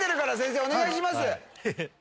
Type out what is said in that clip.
お願いします。